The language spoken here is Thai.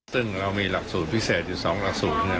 ซึ่งเรามีหลักสูตรพิเศษอยู่๒หลักสูตรเนี่ย